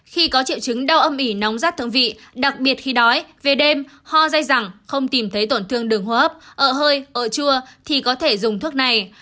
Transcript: khi có triệu chứng đau âm ỉ nóng rát thương vị đặc biệt khi đói về đêm ho dây dẳng không tìm thấy tổn thương đường hô hấp ở hơi ợ chua thì có thể dùng thuốc này